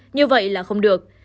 như vậy là không được